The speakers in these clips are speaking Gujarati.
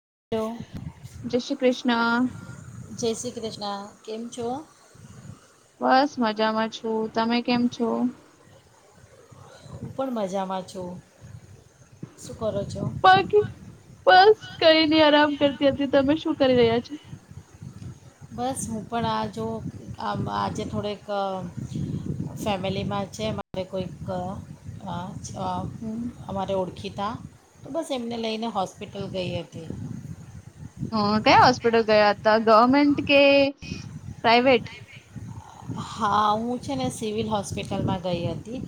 [unintelligible] જય શ્રી કૃષ્ણ. કૃષ્ણા, કેમ છો? બસ મજામાં છું, તમે કેમ છો? હું પણ મજામાં છું. શુ કરો છો? બાકી બસ કરીને આરામ કરતી હતી, તમે શું કરી રહ્યા છો? બસ હું પણ આ જો આમ આજે થોડેક ફેમિલીમાં છે મારે કોઈક અ અ અમારે ઓળખીતા તો બસ એમને લઈને હોસ્પિટલ ગઈ હતી. હ કયા હોસ્પિટલ ગયા હતા, ગવર્મેન્ટ કે પ્રાઈવેટ? હા, હું છે ને સિવિલ હોસ્પિટલમાં ગઈ હતી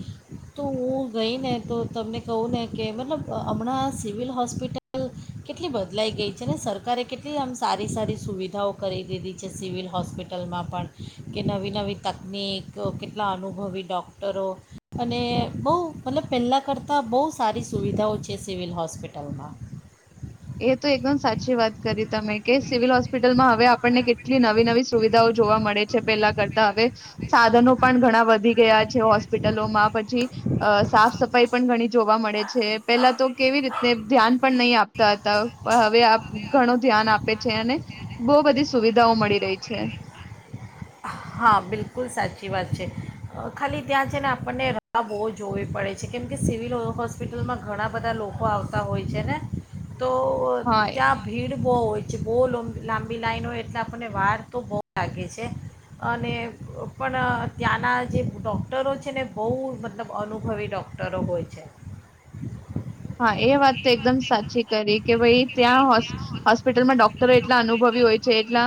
તો હું ગઈ ને તો તમને કહું ને કે મતલબ હમણાં સિવિલ હોસ્પિટલ કેટલી બદલાઈ ગઈ છે ને સરકારે કેટલી આમ સારી સારી સુવિધાઓ કરી દીધી છે સિવિલ હોસ્પિટલમાં પણ કે નવી નવી તકનીક, કેટલા અનુભવી ડૉક્ટરો અને બહુ મતલબ પહેલાં કરતાં બહુ સારી સુવિધાઓ છે સિવિલ હોસ્પિટલમાં એ તો એકદમ સાચી વાત કરી તમે કે સિવિલ હોસ્પિટલમાં હવે આપણને કેટલી નવી નવી સુવિધાઓ જોવા મળે છે પેલા કરતા હવે સાધનો પણ ઘણા વધી ગયા છે હોસ્પિટલોમાં પછી અ સાફ સફાઈ પણ ઘણી જોવા મળે છે પેલા તો કેવી રીતને ધ્યાન પણ નહીં આપ તા તા હવે આપ ઘણું ધ્યાન આપે છે અને બહુ બધી સુવિધાઓ મળી રહી છે. હા, બિલકુલ સાચી વાત છે ખાલી ત્યાં છે ને આપણને રાહ બહુ જોવી પડે છે કેમ કે સિવિલ હોસ્પિટલમાં ઘણા બધા લોકો આવતા હોય છે ને તો હા એ ત્યાં ભીડ બહુ હોય છે બહુ લંબ લાંબી લાાઈન હોય એટલે આપણને વાર તો બહુ લાગે છે અને પણ ત્યાંના જે ડોક્ટરો છે ને બહુ મતલબ અનુભવી ડૉક્ટરો હોય છે. હા, એ વાત તો એકદમ સાચી કરી કે ભાઈ ત્યાં હોસ્પ હોસ્પિટલમાં ડોક્ટરો એટલા અનુભવી હોય છે એટલા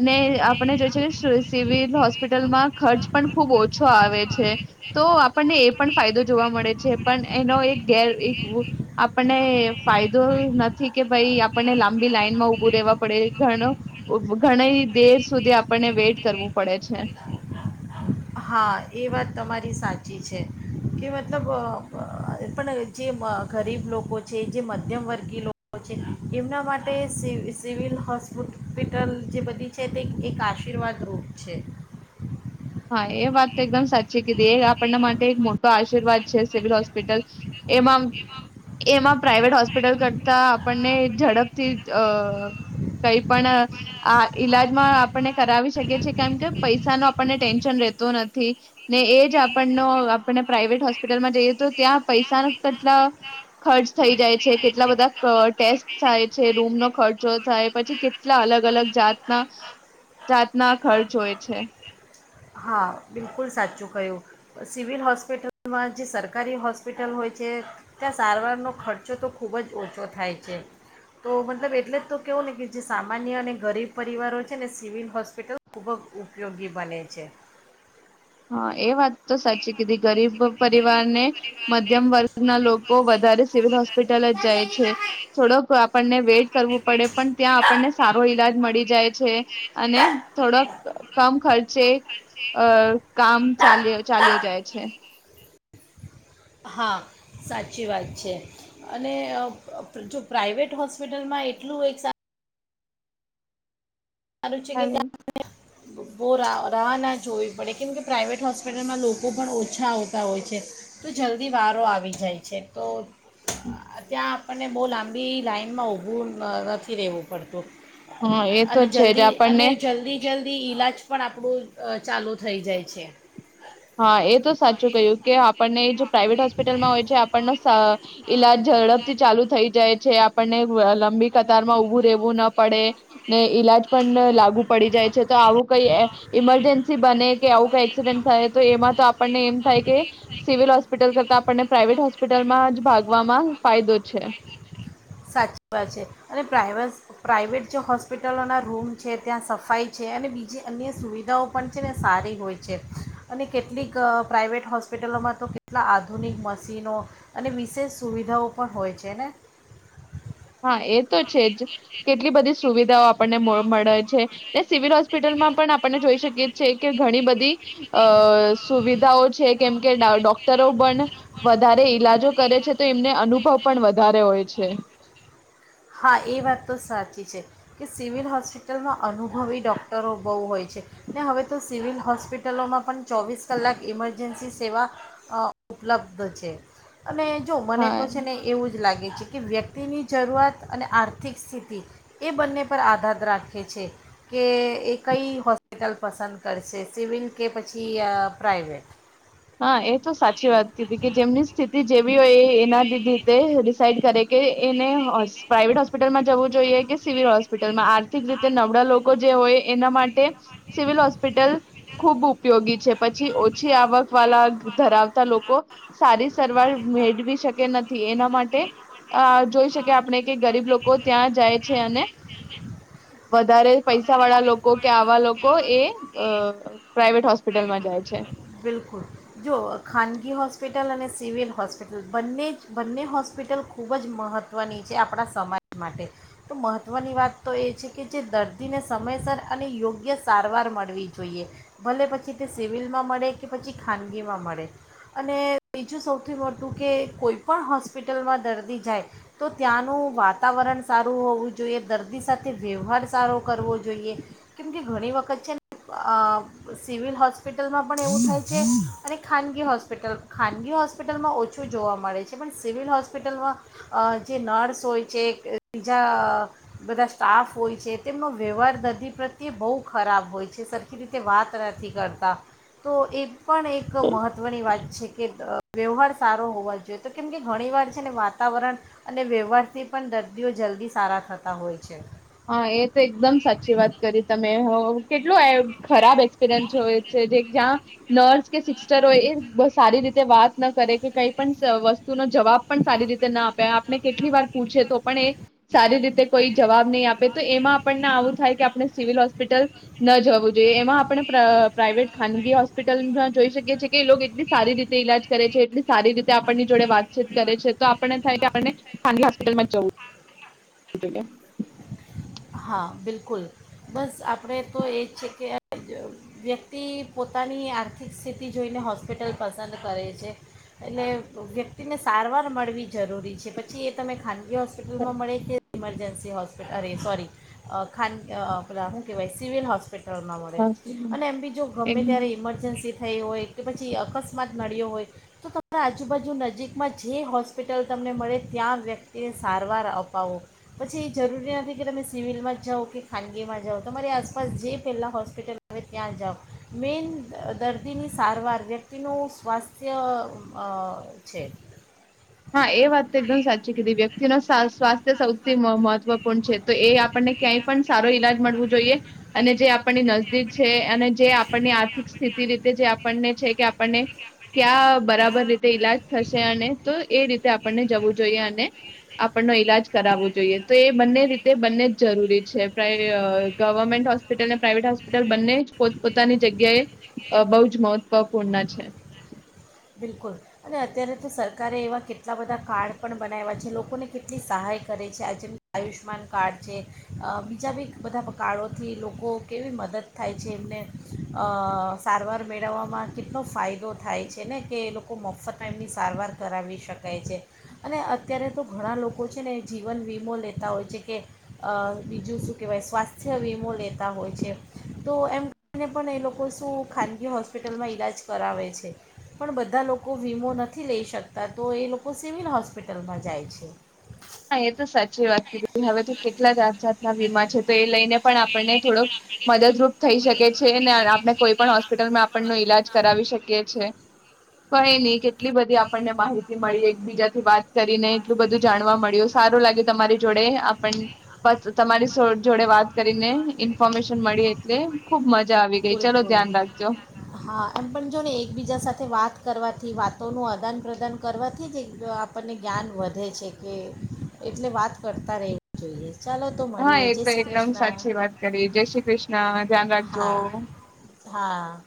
અને આપણે જે છે એ સિવિલ હોસ્પિટલમાં ખર્ચ પણ ખુબ ઓછો આવે છે તો આપણને એ પણ ફાયદો જોવા મળે છે પણ એનો એક ગેર એક [unintelligible] આપણને ફાયદો નથી કે ભાઈ આપણને લાંબી લાઈન માં ઉભું રહેવા પડે ઘણ ઘણી દેર સુધી આપણને વેઇટ કરવું પડે છે. હા, એ વાત તમારી સાચી છે કે મતલબ અ અ પણ જે ગરીબ લોકો છે, જે મધ્યમ વર્ગીય લોકો છે, એમના માટે સ સિવિલ હોસ્પિપિટલ જે બધી છે તે એક આશીર્વાદ રૂપ છે. હા, એ વાત તો એકદમ સાચી કીધી એ આપણના માટે એક મોટો આશીર્વાદ છે સિવિલ હોસ્પિટલ એમાં આમ એમાં પ્રાાઈઇવેટ હોસ્પિટલ કરતા આપણને ઝડપ થી અ કઈ પણ આ ઈલાજમાં આપણને કરાવી શકીએ છીએ કેમ કે પૈસાનો આપણને ટેન્શન રહેતો નથી ને એ જ આપણનો આપણને પ્રાઈવેટ હોસ્પિટલમાં જઈએ તો ત્યાં પૈસા ન કેટલા ખર્ચ થઈ જાય છે કેટલા બધા ટેસ્ટ થાય છે રૂમનો ખર્ચો થાય પછી કેટલા અલગ અલગ જાતના જાતના ખર્ચ હોય છે. હા, બિલકુલ સાચું કહ્યું સિવિલ હોસ્પિટલ માં જે સરકારી હોસ્પિટલ હોય છે ત્યાં સારવારનો ખર્ચો તો ખૂબ જ ઓછો થાય છે તો મતલબ એટલે જ તો કેવું ને કે જે સામાન્ય અને ગરીબ પરિવારો છે ને સિવિલ હોસ્પિટલ ખૂબ જ ઉપયોગી બને છે. હ એ વાત તો સાચી કીધી ગરીબ પરિવારને મધ્યમ વર્ગ ના લોકો વધારે સિવિલ હોસ્પિટલ જ જાય છે થોડોક આપણ આપણને વેઇટ કરવું પડે પણ ત્યાં આપણને સારો ઈલાજ મળી જાય છે અને થોડોક કમ ખર્ચે અ કામ ચાલ્યો ચાલ્યો જાય છે. હા સાચી વાત છે. અને અ જો પ્રાઇવેટ હોસ્પિટલમાં એટલું એક સારું સારું છે કે હેલો ત્યાં બો રાહ રાહ ના જોવી પડે કેમકે પ્રાઇવેટ હોસ્પિટલમાં લોકો પણ ઓછા આવતા હોય છે તો જલ્દી વારો આવી જાય છે તો અ ત્યા આપણને બો લાંબી લાઈનમાં ઊભું નથી અ રહેવું પડતું. હા એ તો અને છે જ જલ્દી અને આપણને જલ્દી જલ્દી તે ઈલાજ પણ આપણું ચાલુ અ થઈ જાય છે. હા એ તો સાચું કહ્યું કે આપણને જો પ્રાઇવેટ હોસ્પિટલમાં હોય છે આપણને ઈલાજ ઝડપથી ચાલુ થઈ જાય જે આપણને લંબી કતારમાં ઉભું રહેેવું ના પડે. ને ઈલાજ પણ લાગુ પડી જાય છે તો આવું કઈ એ ઈમરજન્સી બને કે આવું કઈ એક્સિડેન્ટ થાય એમાં તો આપણને એમ થાય કે સિવિલ હોસ્પિટલ કરતા આપણને પ્રાઇવેટ હોસ્પિટલમાં જ ભાગવામાં ફાયદો છે સાચી વાત છે અને પ્રાાઈવેસ પ્રાઇવેટ જે હોસ્પિટલોના રૂમ છે ત્યાં સફાઈ છે અને બીજી અન્ય સુવિધાઓ પણ છે ને સારી હોય છે અને કેટલીક પ્રાઇવેટ હોસ્પિટલોમાં તો કેટલા આધુનિક મશીનો અને વિશેષ સુવિધાઓ પણ હોય છે ને? હા એ તો છે જ કેટલી બધી સુવિધા [inaudible] આપને મળ મળે છે ને સિવિલ હોસ્પિટલમાં પણ આપણને જોઈ શકી છે કે ઘણી બધી અ અ સુવિધાઓ છે. કેમ કે ડા ડોક્ટરો પણ વધારે ઈલાજો કરે છે તો એમને અનુભવ પણ વધારે હોય છે. હા, એ વાત તો સાચી છે કે સિવિલ હોસ્પિટલમાં અનુભવી ડોક્ટરો બોવ હોય છે ને હવે તો સિવિલ હોસ્પિટલોમાં પણ ચોવીસ કલાક ઈમરજન્સી સેવા અ ઉપલબ્ધ છે. અને જો મને હા તો છે ને એવું જ લાગ છે કે વ્યક્તિની જરૂઆત અને આર્થિક સ્થિતિ એ બંને પર આધાર રાખે છે કે એ કઈ હોસ્પિટલ પસંદ કરશે સિવિલ કે પછી અઅ પ્રાઇવેટ. હા, એ તો સાચી વાત કીધી કે જેમની સ્થિતિ જે હોય એ એના રીતે ડિસાઈડ કરે કે એને અઅ પ્રાઇવેટ હોસ્પિટલમાં જવું જોઈએ કે સિવિલ હોસ્પિટલમાં આર્થિક રીતે નબળા લોકો જે હોય એના માટે સિવિલ હોસ્પિટલ ખૂબ ઉપયોગી છે. પછી ઓછી આવક વાલા ધરાવતા લોકો સારી સારવાર મેળવી શકે નથી એના માટે આ [unintelligible] જોઈ શકીએ આપણે કે ગરીબ લોકો ત્યાં જાય છે અને વધારે પૈસાવાળા લોકો કે આવા લોકો એ અઅ પ્રાઈવેટ હોસ્પિટલમાં જાય છે. બિલકુલ જો ખાનગી હોસ્પિટલ અને સિવિલ હોસ્પિટલ બંને જ બંને હોસ્પિટલ ખૂબ જ મહત્ત્વની છે આપણા સમાજ માટે. તો મહત્ત્વની વાત તો એ છે કે જે દર્દીને સમયસર અને યોગ્ય સારવાર મળવી જોઈએ ભલે પછી તે સિવિલમાં મળે કે પછી ખાનગીમાં મળે અને બીજું સૌથી મોટું કે કોઈ પણ હોસ્પિટલમાં દર્દી જાય તો ત્યાંનું વાતાવરણ સારું હોવું જોઈએ, દર્દી સાથે વ્યવહાર સારો કરવો જોઈએ. કેમ કે ઘણી વખત છેને સિવિલ હોસ્પિટલમાં. પણ એવું થાય છે અને ખાનગી હોસ્પિટલ ખાનગી હોસ્પિટલમાં ઓછું જોવા મળે છે પણ સિવિલ હોસ્પિટલમાં અઅ જે નર્સ હોય છે, બીજા બધા અઅ સ્ટાફ હોય છે, તેમનો વ્યવહાર દર્દી પ્રત્યે બહુ ખરાબ હોય છે. સરખી રીતે વાત નથી કરતા. તો એ પણ એક મહત્ત્વની વાત છે કે વ્યવહાર સારો હોવા જોઈએ તો કેમ કે ઘણી વાર છે ને વાતાવરણ અને વ્યવહારથી પણ દર્દીઓ જલ્દી સારા થતા હોય. છે હા એ તો એકદમ સાચી વાત કરી તમે હવ કેટલું ખરાબ એક્સપિરિયનચ્છ હોય છે જે જ્યાં નર્સ કે સિસ્ટર હોય એ સારી રીતે વાત ના કરે કે કંઈ પણ વસ્તુનો જવાબ પણ સારી રીતે ના આપે. આપને કેટલી વાર પૂછે તો પણ એ સારી રીતે કોઈ જવાબ નહીં આપ તો એમાં આપણને આવું થાય કે આપણે સિવિલ હોસ્પિટલ ન જવું જોઈએ એમાં આપણે પ્ર પ્રાઇવેટ ખાનગી હોસ્પિટલ જોઈ શકીએ છીએ કે એ લોકો એટલી સારી રીતે ઇલાજ કરે છે. એટલી સારી રીતે ત્યાં આપણની જોડે વાતચીત કરે છે તો આપણને થાય કે આપને ખાનગી હોસ્પિટલમાં જવું એટલે કે હા બિલકુલ બસ આપણે તો એ જ છે કે વ્યક્તિ પોતાની આર્થિક સ્થિતિ જોઈને હોસ્પિટલ પસંદ કરે છે એટલે વ્યક્તિને સારવાર મળવી જરૂરી છે પછી એ તમે ખાન જે હોસ્પિટલમાં મળે છે મરજન્સી તો હોસ્પિટલ અરે સોરી. અ ખાનગી અ પેલા હું કેવાય સિવિલ હોસ્ટ હોસ્પિટલમાં મળે અને એમ બી જો એક ગમે ત્યારે ઇમરજન્સી થઈ હોય કે પછી અકસ્માત નડ્યો હોય. તો તમારા આજુબાજુ નજીકમાં જે હોસ્પિટલ તમને મળે ત્યાં વ્યક્તિને સારવાર અપાવો પછી એ જરૂરી નથી કે તમે સિવિલમાં જ જાઓ કે ખાનગીમાં જાઓ તમારી આસપાસ જે પહેલાં હોસ્પિટલ આવે ત્યાં જાઓ મેન દર્દીની સારવાર વ્યક્તિનું સ્વાસ્થ્ય અ છે. હા એ વાત તો એકદમ સાચી કીધી વ્યક્તિુંનો સ્વા સ્વાસ્થ્ય સૌથી મ મહત્વપૂર્ણ છે. તો એ આપણને ક્યાંય પણ સારો ઈલાજ મળવું જોઈએ અને જે આપણની નજદીક છે અને જે આપણની આર્થિક સ્થિતિ રીતે જે આપણને છે કે આપણને ક્યાં બરાબર રીતે ઈલાજ થશે અને એ રીતે આપણને જવું જોઈએ અને આપણનો ઈલાજ કરાવવો જોઈએ તો એ બંને રીતે બંને જ જરૂરી છે પ્રાઈ અ ગવર્મેન્ટ હોસ્પિટલ અને પ્રાઇવેટ હોસ્પિટલ બંને જ પોત પોતાની જગ્યાએ બહુ જ મહત્વપૂર્ણ છે. બિલકુલ અને અત્યારે તો સરકારે એવા કેટલા બધા કાર્ડ પણ બનાવ્યા છે લોકોને કેટલી સહાય કરે છે આ જેમ આયુષ્યમાન કાર્ડ છે અ બીજા બી બધા કાર્ડોથી લોકો કેવી મદદ થાય છે એમને અ સારવાર મેળવવામાં કેટલો ફાયદો થાય છે. છે ને કે એ લોકો મફતમાં એમની સારવાર કરાવી શકાય છે અને અત્યારે તો ઘણા લોકો છે ને જીવન વીમો લેતા હોય છે કે અ બીજું શું કહેવાય સ્વાસ્થ્ય વીમો લેતા હોય છે તો એમ કરીને પણ એ લોકો શું ખાનગી હોસ્પિટલમાં ઈલાજ કરાવે છે. પણ બધા લોકો વીમો નથી લઈ શકતા તો એ લોકો સિવિલ હોસ્પિટલમાં જાય છે. હા એ તો સાચી વાત કીધી હવે તો કેટલા જાત જાત ના વીમા છે તો એ લઈને પણ આપણને થોડું મદદરૂપ થઈ શકે છે ને આપણે કોઈ પણ હોસ્પિટલમાં આપણનો ઈલાજ કરાવી શકીએ છે. કઈ નહી કેટલી બધી આપણને માહિતી મળી એકબીજા થી વાત કરીને એટલું બધું જાણવા મળ્યું સારું લાગે તમારી જોડે આ પણ તમારી જોડે વાત કરીને ઇન્ફોર્મેશન મળી એટલે ખુબ મજા આવી ગઈ ચલો બિલકુલ ધ્યાન રાખજો હા એમ પણ જો ને એકબીજા સાથે વાત વાત કરવાથી વાતોનું આદાન પ્રદાન કરવાથી જ એક આપણને જ્ઞાન વધે છે કે એટલે વાત કરતા રહેવું જોઈએ. ચાલો તો હા મળીએ એ જય તો શ્રી એકદમ કૃષ્ણ સાચી વાત કરી. જય શ્રી કૃષ્ણ ધ્યાન રાખજો. હા હા. [inaudible]